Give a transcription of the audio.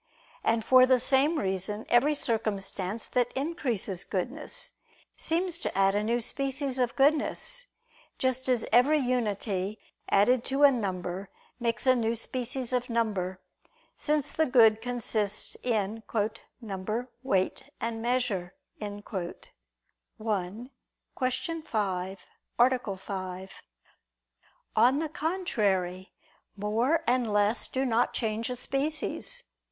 And for the same reason, every circumstance that increases goodness, seems to add a new species of goodness: just as every unity added to a number makes a new species of number; since the good consists in "number, weight, and measure" (I, Q. 5, A. 5). On the contrary, More and less do not change a species.